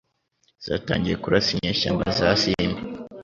zatangiye kurasa inyeshyamba za Simba